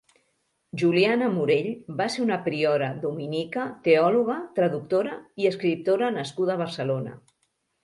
Juliana Morell va ser una priora dominica teòloga, traductora i escriptora nascuda a Barcelona.